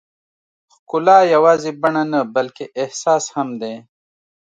ښکلا یوازې بڼه نه، بلکې احساس هم دی.